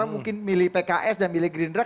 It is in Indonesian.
mungkin orang milih pks dan milih greendrag